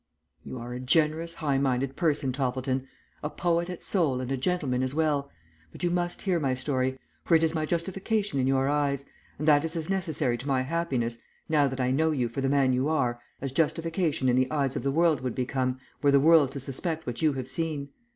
"You are a generous, high minded person, Toppleton. A poet at soul and a gentleman as well; but you must hear my story, for it is my justification in your eyes, and that is as necessary to my happiness, now that I know you for the man you are, as justification in the eyes of the world would become were the world to suspect what you have seen.